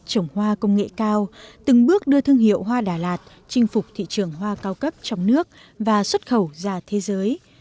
trồng hoa công nghệ cao từng bước đưa thương hiệu hoa đà lạt chinh phục thị trường hoa cao cấp trong nước và xuất khẩu ra thế giới